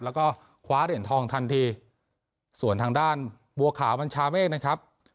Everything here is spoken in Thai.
แล้วก็คว้าเหรียญทองทันทีส่วนทางด้านบัวขาวบัญชาเมฆนะครับ